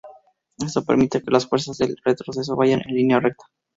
Estos permite que las fuerzas del retroceso vayan en línea recta.